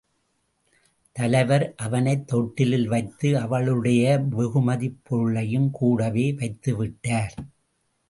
தலைவர், அவளைத் தொட்டிலில் வைத்து, அவளுடைய வெகுமதிப் பொருளையும்கூடவே வைத்துவிட்டார்.